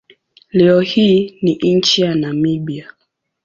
Leo hii ni nchi ya Namibia.